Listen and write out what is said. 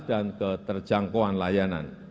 dan keterjangkauan layanan